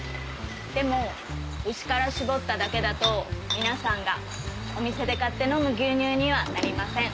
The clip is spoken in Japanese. でも牛から搾っただけだと皆さんがお店で買って飲む牛乳にはなりません。